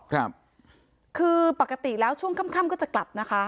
ครับคือปกติแล้วช่วงค่ำค่ำก็จะกลับนะคะ